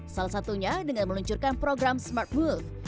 salah satunya dengan meluncurkan program smart wood